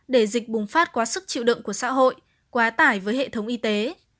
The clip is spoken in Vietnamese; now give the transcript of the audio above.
để dịch bùng phát quá sức chịu đựng của xã hội quá tải với hệ thống y tế